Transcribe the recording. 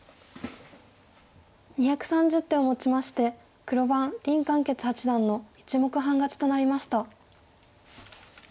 ２３０手をもちまして黒番林漢傑八段の１目半勝ちとなりました。